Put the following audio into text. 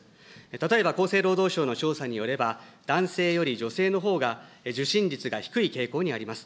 例えば厚生労働省の調査によれば、男性より女性のほうが受診率が低い傾向にあります。